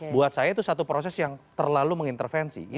buat saya itu satu proses yang terlalu mengintervensi